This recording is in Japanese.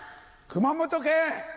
熊本県！